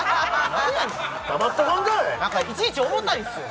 なんかいちいち重たいんすよ